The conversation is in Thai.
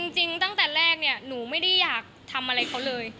จริงตั้งแต่แรกเนี่ยหนูไม่ได้อยากทำอะไรเขาเลย